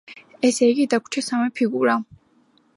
ესე იგი, დაგვრჩა სამი ფიგურა.